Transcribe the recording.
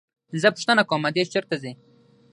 زه پوښتنه کوم ادې چېرته ځي.